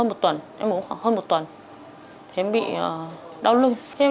bệnh nhân bị ngộ